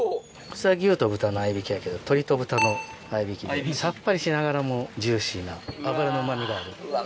普通は牛と豚の合いびきやけど鶏と豚の合いびきでさっぱりしながらもジューシーな。